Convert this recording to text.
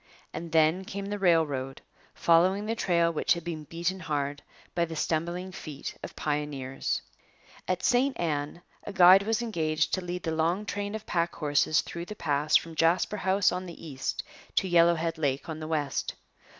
And then came the railroad, following the trail which had been beaten hard by the stumbling feet of pioneers. [Illustration: In the Yellowhead Pass. From a photograph.] At St Ann a guide was engaged to lead the long train of pack horses through the pass from Jasper House on the east to Yellowhead Lake on the west.